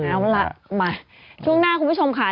เอาล่ะมาช่วงหน้าคุณผู้ชมค่ะ